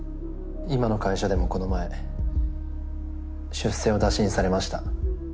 今の会社でもこの前出世を打診されました。